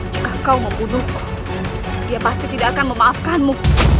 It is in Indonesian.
jika kau membunuhku dia pasti tidak akan memaafkanmu